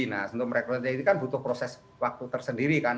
nah untuk merekrutnya ini kan butuh proses waktu tersendiri kan